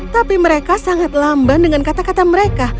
tapi mereka sangat lamban dengan kata kata mereka